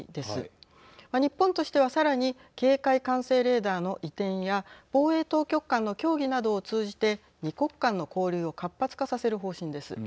日本としてはさらに警戒管制レーダーの移転や防衛当局間の協議などを通じて２国間の交流を活発化させる方針です。